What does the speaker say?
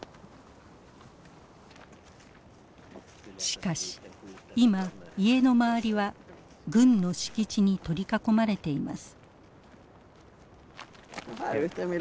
しかし今家の周りは軍の敷地に取り囲まれています。